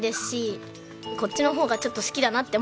こっちの方がちょっと好きだなって思ってます。